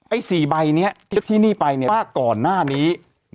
ไอ้๔ใบนี้ที่นี่ไปว่าก่อนหน้านี้